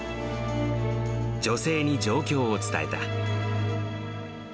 女性に状況を伝えた。